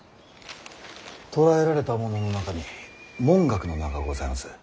捕らえられた者の中に文覚の名がございます。